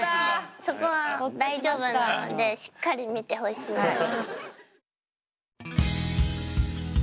そこは大丈夫なのでしっかり見てほしいです。